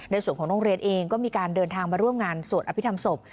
ในส่วนของโรงเรียนเองก็มีการเดินทางมาร่วมงานสวดอภิษฐรรมศพ